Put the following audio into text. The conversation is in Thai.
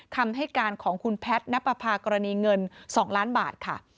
คำให้การของคุณแพทย์นับประพากรณีเงิน๒ล้านบาทค่ะ